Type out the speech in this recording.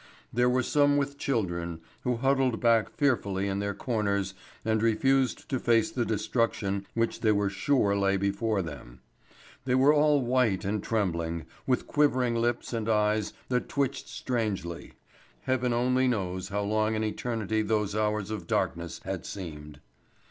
There were some with children, who huddled back fearfully in their corners and refused to face the destruction which they were sure lay before them. They were all white and trembling, with quivering lips and eyes that twitched strangely. Heaven only knows how long an eternity those hours of darkness had seemed.